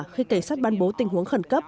khi cảnh sát ban bố tình huống khẩn cấp